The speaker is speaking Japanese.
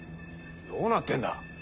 どうなってんだ。